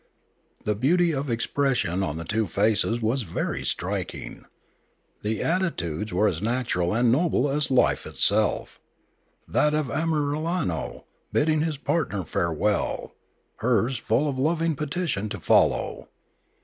The beauty of expression on the two faces was very striking. The attitudes were as natural and noble as life itself, that of Amiralno bidding his partner farewell, hers full of loving petition to follow.